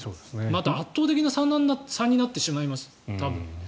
また、圧倒的な差になってしまいます、多分。